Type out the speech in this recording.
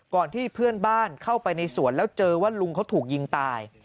ที่เพื่อนบ้านเข้าไปในสวนแล้วเจอว่าลุงเขาถูกยิงตาย